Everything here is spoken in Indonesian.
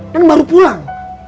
dan baru pulang